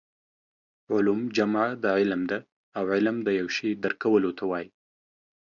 علوم جمع د علم ده او علم د یو شي درک کولو ته وايي